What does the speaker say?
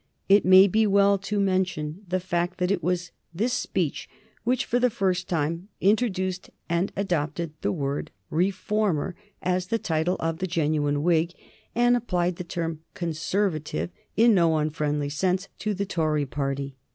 It may be well to mention the fact that it was this speech which, for the first time, introduced and adopted the word "Reformer" as the title of the genuine Whig, and applied the term "Conservative," in no unfriendly sense, to the Tory party.